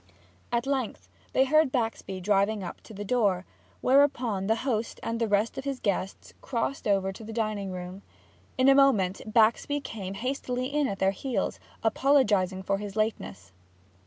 At length they heard Baxby driving up to the door, whereupon the host and the rest of his guests crossed over to the dining room. In a moment Baxby came hastily in at their heels, apologizing for his lateness.